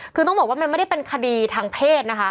คือต้องบอกว่ามันไม่ได้เป็นคดีทางเพศนะคะ